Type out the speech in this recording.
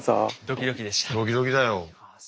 ドキドキだよ。